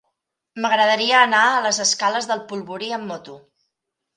M'agradaria anar a les escales del Polvorí amb moto.